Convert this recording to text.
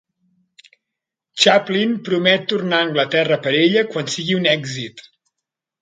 Chaplin promet tornar a Anglaterra per ella quan sigui un èxit.